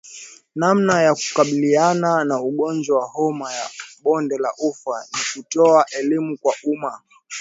Namna ya kukabiliana na ugonjwa wa homa ya bonde la ufa ni kutoa elimu kwa umma